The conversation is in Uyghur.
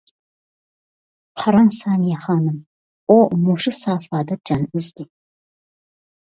قاراڭ، سانىيە خانىم، ئۇ مۇشۇ سافادا جان ئۈزدى.